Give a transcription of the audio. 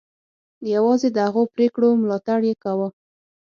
یوازې د هغو پرېکړو ملاتړ یې کاوه.